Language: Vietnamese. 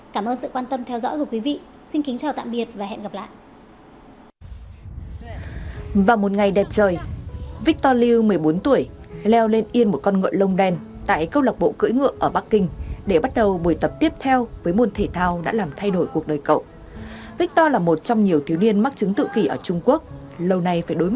cảm ơn sự quan tâm theo dõi của quý vị